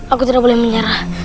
aku tidak boleh menyerah